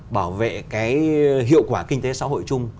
bảo vệ cái hiệu quả kinh tế xã hội chung